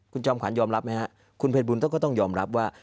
คุณจอมขวานยอมรับไหมฮะคุณเผยบูรณ์ก็ต้องยอมรับว่า